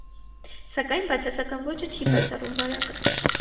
Սակայն, բացասական աճը չի բացառում վարակը։